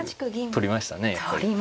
取りましたねやっぱり。